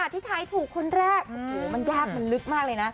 ที่ไทยถูกคนแรกโอ้โหมันยากมันลึกมากเลยนะ